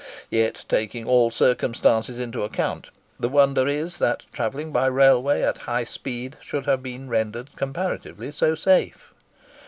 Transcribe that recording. Yet, taking all circumstances into account, the wonder is, that travelling by railway at high speed should have been rendered comparatively so safe.